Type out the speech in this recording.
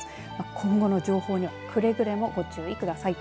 今後の情報にはくれぐれもご注意ください。